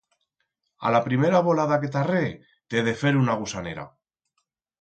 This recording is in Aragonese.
A la primera volada que t'arree, t'he fer una gusanera.